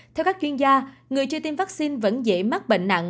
theo các chuyên gia người chưa tiêm vaccine vẫn dễ mắc bệnh nặng